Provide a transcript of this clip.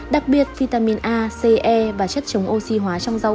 đặc biệt vitamin a c e và chất chống oxy hô